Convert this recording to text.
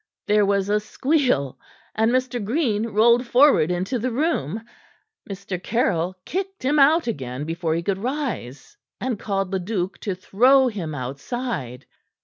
There was a squeal, and Mr. Green rolled forward into the room. Mr. Caryll kicked him out again before he could rise, and called Leduc to throw him outside.